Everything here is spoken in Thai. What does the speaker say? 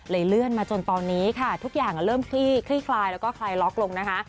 เลื่อนมาจนตอนนี้ค่ะทุกอย่างเริ่มคลี่คลายแล้วก็คลายล็อกลงนะคะ